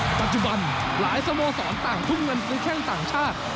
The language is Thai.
ปัจจุบันหลายสโมสรต่างทุ่มเงินฟู้แข้งต่างชาติ